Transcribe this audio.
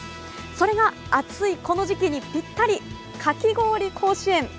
それが熱いこの時期にぴったりかき氷甲子園。